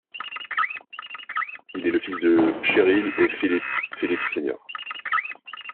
Il est le fils de Sheryl et Phillip Phillips, Sr.